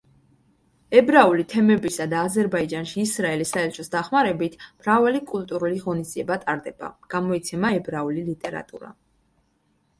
ებრაული თემებისა და აზერბაიჯანში ისრაელის საელჩოს დახმარებით, მრავალი კულტურული ღონისძიება ტარდება, გამოიცემა ებრაული ლიტერატურა.